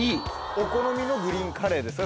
お好みのグリーンカレーですか？